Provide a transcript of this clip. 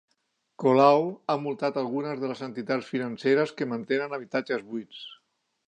Colau ha multat a algunes de les entitats financeres que mantenen habitatges buits